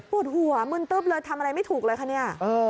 ปวดหัวมึนตึ๊บเลยทำอะไรไม่ถูกเลยคะเนี่ย